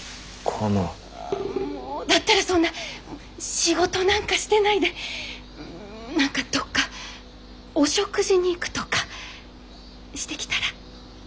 もうだったらそんな仕事なんかしてないで何かどっかお食事に行くとかしてきたら？